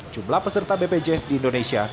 jumlah peserta bpjs di indonesia